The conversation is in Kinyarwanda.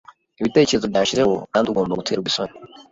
Ibitekerezo byanshizeho kandi ugomba guterwa isoni